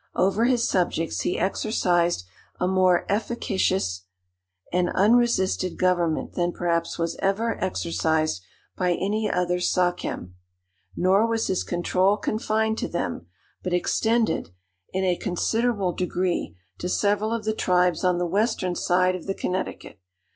Over his subjects he exercised a more efficacious and unresisted government than perhaps was ever exercised by any other sachem. Nor was his control confined to them; but extended, in a considerable degree, to several of the tribes on the western side of the Connecticut.